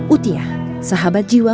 utyah sahabat jiwa